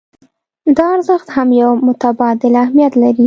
دا ارزښت هم يو متبادل اهميت لري.